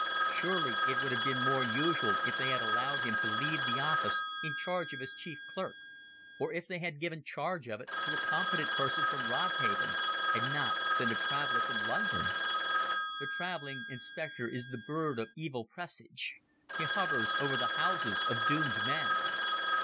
Surely it would have been more usual if they had allowed him to leave the office in charge of his chief clerk, or if they had given charge of it to a competent person from Rodhaven, and not sent a traveler from London? The traveling inspector is the bird of evil presage: he hovers over the houses of doomed men.